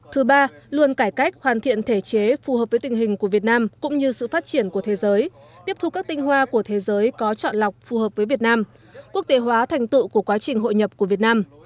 thứ ba luôn cải cách hoàn thiện thể chế phù hợp với tình hình của việt nam cũng như sự phát triển của thế giới tiếp thu các tinh hoa của thế giới có chọn lọc phù hợp với việt nam quốc tế hóa thành tựu của quá trình hội nhập của việt nam